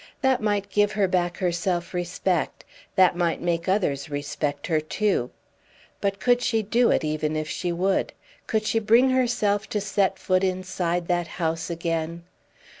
That might give her back her self respect; that might make others respect her too. But could she do it, even if she would? Could she bring herself to set foot inside that house again?